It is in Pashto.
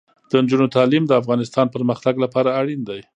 د نجونو تعلیم د افغانستان پرمختګ لپاره اړین دی.